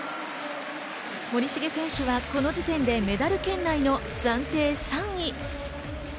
森重選手はこの時点でメダル圏内の暫定３位。